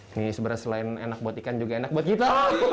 ini sebenarnya selain enak buat ikan juga enak buat kita